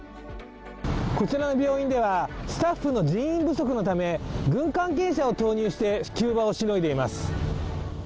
こちらの病院では、スタッフの人員不足のため、軍関係者を投入して急場をしのいでいます。